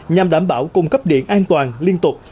nhằm đảm bảo cung cấp điện an toàn liên tục